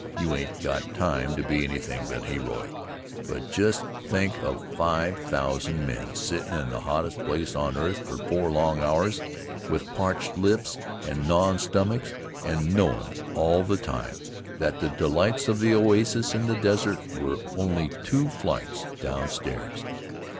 You ain't got time to be anything but heroic. But just think of five thousand men sittin' in the hottest place on earth for four long hours, with parched lips and gnawin' stomachs, and knowin' all the time that the delights of the oasis in the desert were only two flights downstairs!